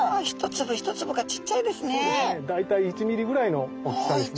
大体１ｍｍぐらいの大きさですね。